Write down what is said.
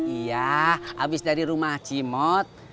iya habis dari rumah cimot